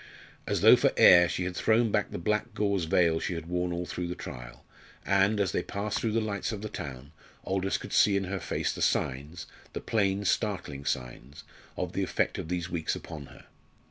As though for air, she had thrown back the black gauze veil she had worn all through the trial, and, as they passed through the lights of the town, Aldous could see in her face the signs the plain, startling signs of the effect of these weeks upon her.